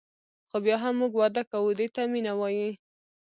خو بیا هم موږ واده کوو دې ته مینه وايي.